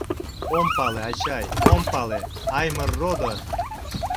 Ом пале, ачай, ом пале, Аймыр родо!